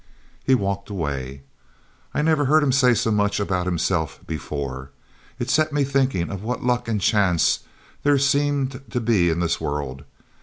He walked away. I never heard him say so much about himself before. It set me thinking of what luck and chance there seemed to be in this world.